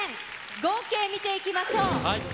合計見ていきましょう。